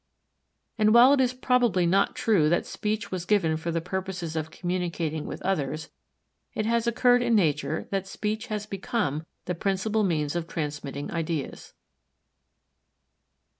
And while it is probably not true that speech was given for the purposes of communicating with others, it has occurred in nature that speech has become the principal means of transmitting ideas.